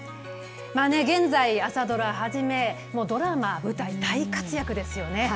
現在、朝ドラはじめ、ドラマ、舞台に大活躍ですよね。